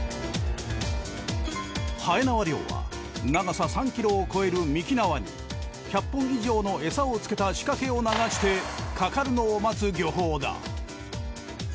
はえ縄漁は長さ３キロを超える幹縄に１００本以上のエサをつけた仕掛けを流してかかるのを待つ漁法だ。